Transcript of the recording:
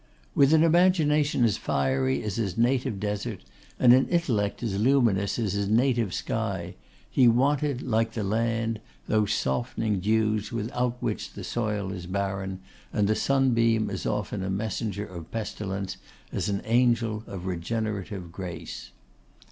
With an imagination as fiery as his native Desert, and an intellect as luminous as his native sky, he wanted, like that land, those softening dews without which the soil is barren, and the sunbeam as often a messenger of pestilence as an angel of regenerative grace.